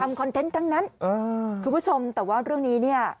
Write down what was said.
คอนเทนต์ทั้งนั้นเออคุณผู้ชมแต่ว่าเรื่องนี้เนี่ย